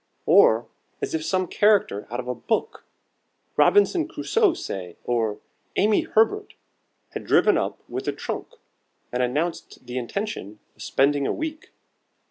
Or as if some character out of a book, Robinson Crusoe, say, or "Amy Herbert," had driven up with a trunk and announced the intention of spending a week.